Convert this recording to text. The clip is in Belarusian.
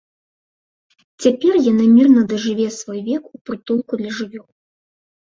Цяпер яна мірна дажыве свой век у прытулку для жывёл.